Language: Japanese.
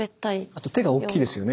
あと手が大きいですよね